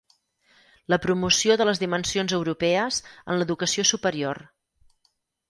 La promoció de les dimensions europees en l'educació superior